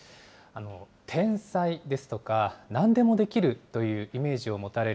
天才ですとか、なんでもできるというイメージを持たれる